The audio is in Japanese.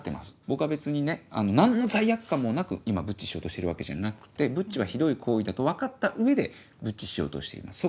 僕は別にね何の罪悪感もなく今ブッチしようとしてるわけじゃなくてブッチはひどい行為だと分かった上でブッチしようとしています